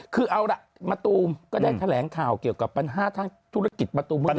คือเอาล่ะมะตูมก็ได้แถลงข่าวเกี่ยวกับปัญหาทางธุรกิจประตูเมือง